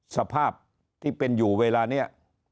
สภาพที่เป็นอยู่เวลานี้